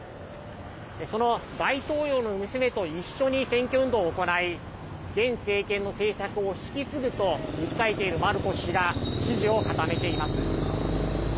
その大統領の娘と一緒に選挙運動を行い現政権の政策を引き継ぐと訴えているマルコス氏が支持を固めています。